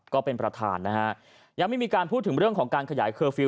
ก็เป็นประธานนะฮะยังไม่มีการพูดถึงเรื่องของการขยายเคอร์ฟิลล